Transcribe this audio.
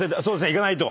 いかないと。